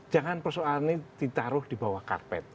jangan persoalan ini ditaruh di bawah karpet